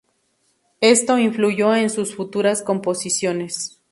Esto influyó en sus futuras composiciones.